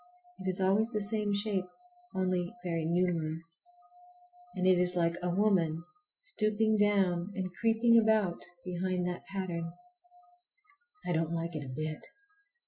It is always the same shape, only very numerous. And it is like a woman stooping down and creeping about behind that pattern. I don't like it a bit.